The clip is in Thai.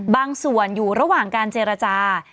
บางส่วนอยู่ระหว่างการเจรจา